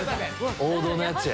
王道のやつや。